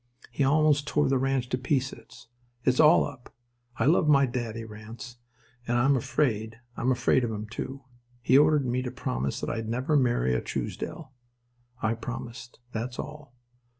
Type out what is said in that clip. He almost tore the ranch to pieces. It's all up. I love my daddy, Ranse, and I'm afraid—I'm afraid of him too. He ordered me to promise that I'd never marry a Truesdell. I promised. That's all.